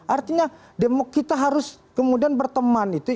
artinya kita harus kemudian berteman itu